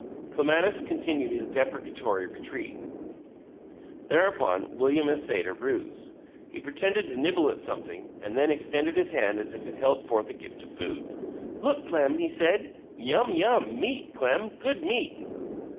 Clematis continued his deprecatory retreat. Thereupon William essayed a ruse he pretended to nibble at something, and then extended his hand as if it held forth a gift of food. "Look, Clem," he said. "Yum yum! Meat, Clem! Good meat!"